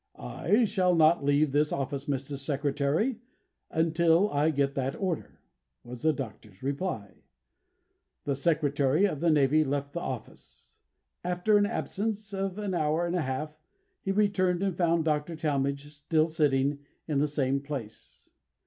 "I shall not leave this office, Mr. Secretary, until I get that order," was the Doctor's reply. The Secretary of the Navy left the office; after an absence of an hour and a half, he returned and found Dr. Talmage still sitting in the same place.